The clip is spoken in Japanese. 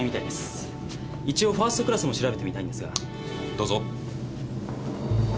どうぞ。